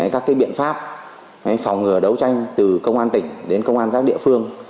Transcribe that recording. các biện pháp phòng ngừa đấu tranh từ công an tỉnh đến công an các địa phương